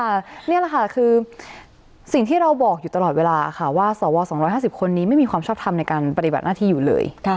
นี่แหละค่ะคือสิ่งที่เราบอกอยู่ตลอดเวลาค่ะว่าสว๒๕๐คนนี้ไม่มีความชอบทำในการปฏิบัติหน้าที่อยู่เลย